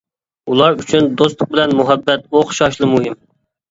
ئۇلار ئۈچۈن دوستلۇق بىلەن مۇھەببەت ئوخشاشلا مۇھىم.